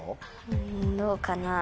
うんどうかなぁ。